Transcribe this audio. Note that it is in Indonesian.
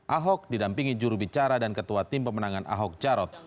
ahok didampingi jurubicara dan ketua tim pemenangan ahok jarot